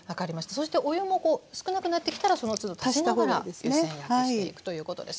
そしてお湯も少なくなってきたらそのつど足しながら湯煎焼きしていくということですね。